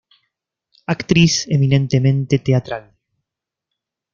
Actriz eminentemente teatral.